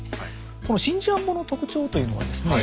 この真珠庵本の特徴というのはですね